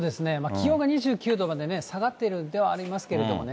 気温が２９度まで下がっているんではありますけどね。